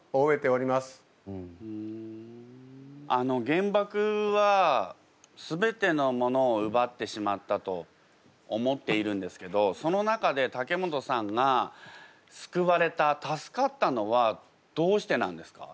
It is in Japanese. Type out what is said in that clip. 原爆は全てのものをうばってしまったと思っているんですけどその中で竹本さんがすくわれた助かったのはどうしてなんですか？